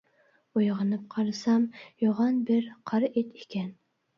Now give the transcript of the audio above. ئويغىنىپ قارىسام يوغان بىر قار ئىت ئىكەن.